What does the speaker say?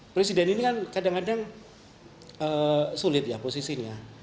presiden ini kan kadang kadang sulit ya posisinya